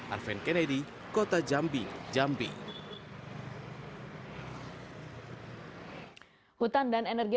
alvin kennedy kota jambi